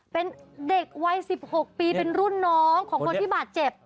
เป็นเด็กวัย๑๖ปีเป็นรุ่นน้องของคนที่บาดเจ็บ